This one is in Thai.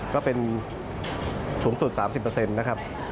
ก็เป็นสูงสุด๓๐นะครับ